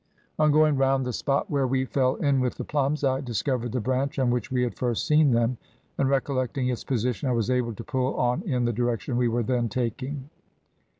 "On going round the spot where we fell in with the plums, I discovered the branch on which we had first seen them, and recollecting its position, I was able to pull on in the direction we were then taking.